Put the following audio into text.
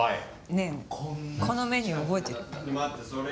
ねえこのメニュー覚えてる？